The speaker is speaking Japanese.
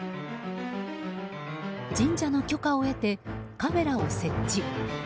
神社の許可を得てカメラを設置。